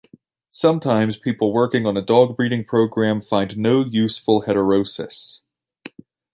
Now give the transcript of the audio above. Sometimes people working on a dog breeding program find no useful heterosis.